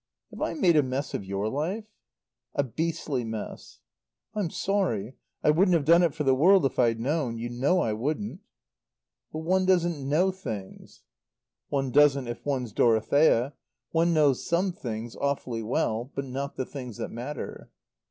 "Have I made a mess of your life?' "A beastly mess." "I'm sorry. I wouldn't have done it for the world if I'd known. You know I wouldn't. "But one doesn't know things." "One doesn't if one's Dorothea. One knows some things awfully well; but not the things that matter."